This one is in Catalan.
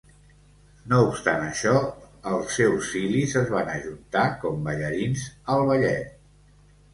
No obstant això, els seus cilis es van ajuntar com ballarins al ballet.